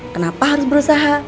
kenapa harus berusaha